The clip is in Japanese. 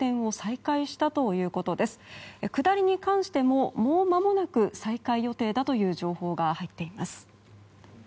下りに関してももうまもなく再開予定だという情報が入っています。